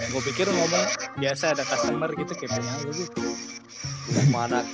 gue pikir ngomongnya biasa ada customer gitu kayak beneran gitu